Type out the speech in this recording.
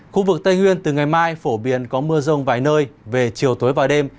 khu vực tây nguyên từ ngày mai phổ biến có mưa rông vài nơi về chiều tối và đêm